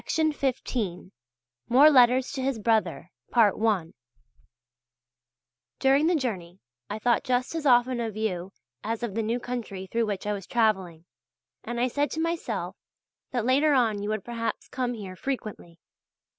MORE LETTERS TO HIS BROTHER During the journey I thought just as often of you as of the new country through which I was travelling, and I said to myself, that later on you would perhaps come here frequently.